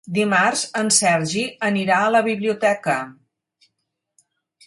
Dimarts en Sergi anirà a la biblioteca.